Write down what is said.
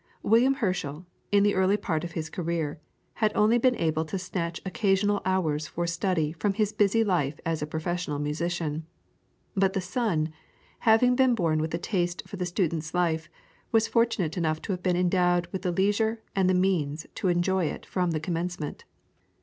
William Herschel, in the early part of his career, had only been able to snatch occasional hours for study from his busy life as a professional musician. But the son, having been born with a taste for the student's life, was fortunate enough to have been endowed with the leisure and the means to enjoy it from the commencement.